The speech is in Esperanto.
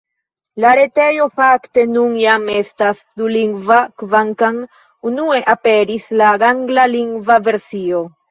La retejo, fakte, nun jam estas dulingva, kvankam unue aperis la anglalingva versio.